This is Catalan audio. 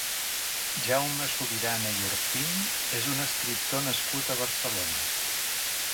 Jaume Subirana i Ortín és un escriptor nascut a Barcelona.